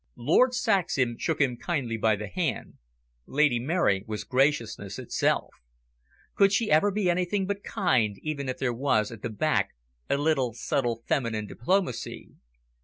Lord Saxham shook him kindly by the hand. Lady Mary was graciousness itself. Could she ever be anything but kind, even if there was, at the back, a little subtle feminine diplomacy.